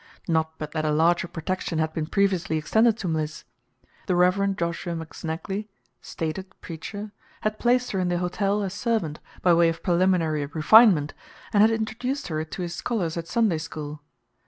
Not but that a larger protection had been previously extended to Mliss. The Rev. Joshua McSnagley, "stated" preacher, had placed her in the hotel as servant, by way of preliminary refinement, and had introduced her to his scholars at Sunday school.